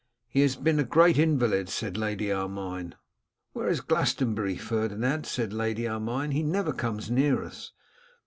'He has been a great invalid,' said Lady Armine. 'Where is Glastonbury, Ferdinand?' said Lady Armine. 'He never comes near us.